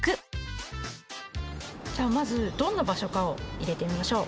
じゃあまずどんな場所かを入れてみましょう。